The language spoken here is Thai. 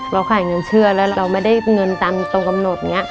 เราขายเงินเชื้อแล้วเราไม่ได้เงินตามตรงกำหนด